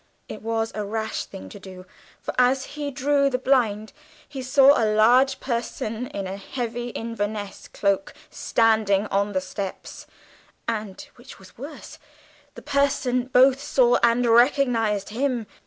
It was a rash thing to do, for as he drew the blind, he saw a large person in a heavy Inverness cloak standing on the steps, and (which was worse) the person both saw and recognised him!